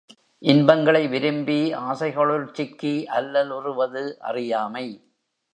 இன்பங்களை விரும்பி ஆசைகளுள் சிக்கி அல்லல் உறுவது அறியாமை.